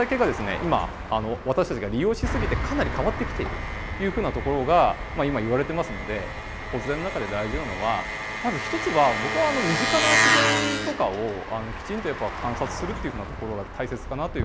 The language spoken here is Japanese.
今私たちが利用し過ぎてかなり変わってきているというふうなところが今いわれてますので保全の中で大事なのはまず一つは僕は身近な自然とかをきちんと観察するっていうふうなところが大切かなというふうに思っています。